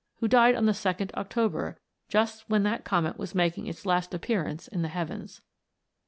who died on the 2nd October, just when that Comet was making its last appearance in the heavens.